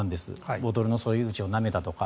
ボトルの注ぎ口をなめたとか。